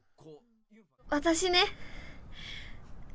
私ね。